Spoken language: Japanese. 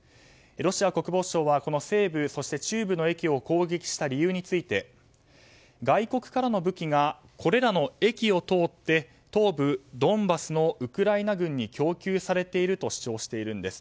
ロシア国防省は西部、中部の駅を攻撃した理由について外国からの武器がこれらの駅を通って東部ドンバスのウクライナ軍に供給されていると主張しているんです。